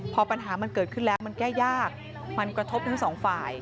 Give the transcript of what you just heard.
พอปัญหามันเกิดขึ้นแล้วมันแก้ยากมันกระทบทั้งสองฝ่าย